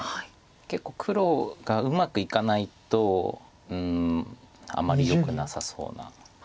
結構黒がうまくいかないとあまりよくなさそうな。